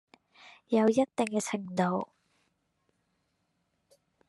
有一定程度的